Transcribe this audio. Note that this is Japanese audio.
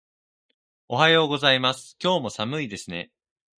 おはようございます。今日も寒いですね。